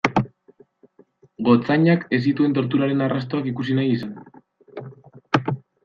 Gotzainak ez zituen torturaren arrastoak ikusi nahi izan.